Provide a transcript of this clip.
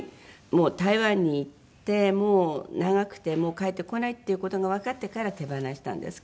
台湾に行って長くてもう帰ってこないっていう事がわかってから手放したんですけど。